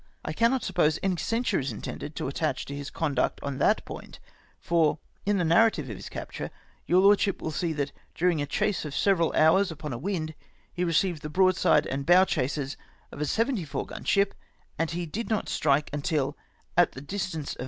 I cannot suppose any censure is intended to attach to his con duct on that point ; for, in the narrative of his capture, your Lordship will see that during a chase of several hours upon a wind, he received the broadside and bow chasers of a seventy four gun ship, and did not strike until, at the distance of 142 LOED ST. VINCEXT S REPLY.